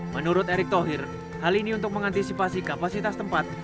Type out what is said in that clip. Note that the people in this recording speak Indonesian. menurut erick thohir hal ini untuk mengantisipasi kapasitas tempat